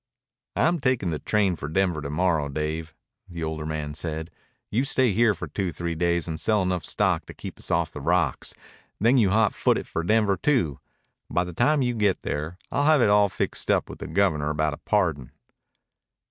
"I'm takin' the train for Denver to morrow, Dave," the older man said. "You stay here for two three days and sell enough stock to keep us off the rocks, then you hot foot it for Denver too. By the time you get there I'll have it all fixed up with the Governor about a pardon."